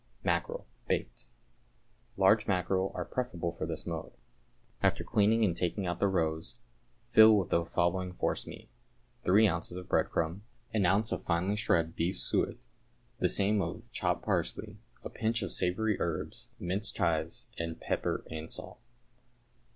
=Mackerel, Baked.= Large mackerel are preferable for this mode. After cleaning and taking out the roes, fill with the following forcemeat: Three ounces of breadcrumbs, an ounce of finely shred beef suet, the same of chopped parsley, a pinch of savoury herbs, minced chives, and pepper and salt.